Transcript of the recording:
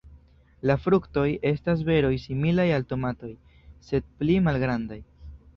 La fruktoj estas beroj similaj al tomatoj, sed pli malgrandaj.